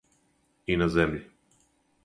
И на земљи.